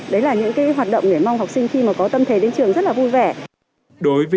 đấy là những hoạt động để mong học sinh khi mà có tâm thế đến trường rất là vui vẻ